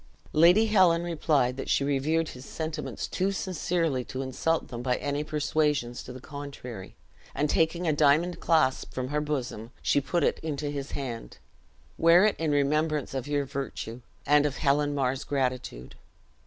Lady Helen replied that she revered his sentiments too sincerely to insult them by any persuasions to the contrary; and taking a diamond clasp from her bosom, she put it into his hand; "Wear it in remembrance of your virtue, and of Helen Mar's gratitude."